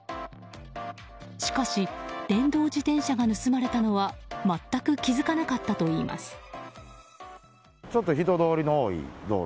しかし電動自転車が盗まれたのは全く気づかなかったといいます。